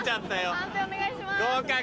判定お願いします。